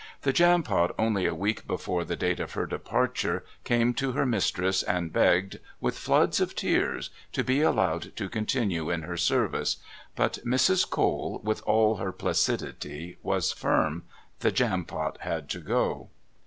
The Jampot, only a week before the date of her departure, came to her mistress and begged, with floods of tears, to be allowed to continue in her service. But Mrs. Cole, with all her placidity, was firm. The Jampot had to go.